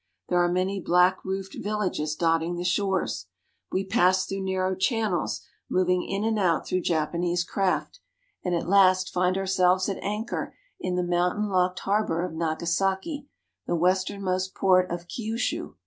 There are many black roofed villages dotting the shores. We pass through narrow channels, moving in and out through Japanese craft ; and at last find ourselves at anchor in the mountain locked harbor of Nagasaki, the westernmost port of Kiushu.